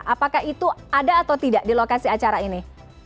apakah itu ada atau tidak di lokasi acara ini